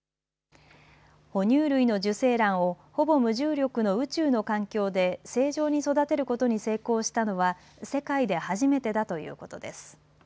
哺乳類の受精卵をほぼ無重力の宇宙の環境で正常に育てることに成功したのは世界で初めてだということです。